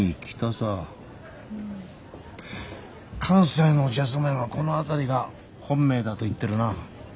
関西のジャズメンはこの辺りが本命だと言ってるな。